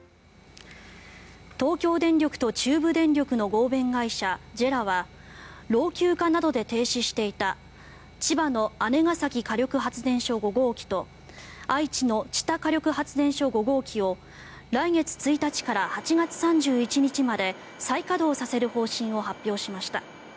東京電力と中部電力の合弁会社ＪＥＲＡは老朽化などで停止していた千葉の姉崎火力発電所５号機と愛知の知多火力発電所５号機を来月１日から８月３１日まで再稼働させる方針を発表しました。